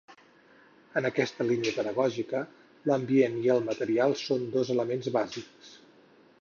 En aquesta línia pedagògica, l'ambient i el material són dos elements bàsics.